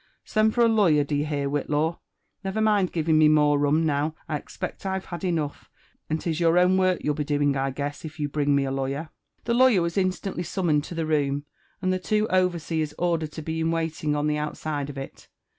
"Send for a lawyer, d'ye hear, Whitlaw? Never mind giving me more rum now — I expect I've had enough; and 'tis your own work you'll be doing, I guess, if you bring me a lawyer." The lawyer was instantly summoned to the room, and the twoover seers ordered lo he in waiting on the outside of it.